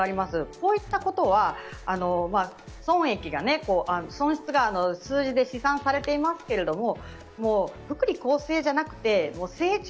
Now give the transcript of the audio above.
こういったことは損失が数字で試算されていますがもう福利厚生じゃなくて成長